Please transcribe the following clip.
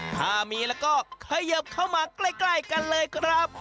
ถ้ามีแล้วก็เขยิบเข้ามาใกล้กันเลยครับ